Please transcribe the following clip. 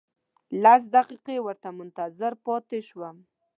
لس دقیقې ورته منتظر پاتې شوم.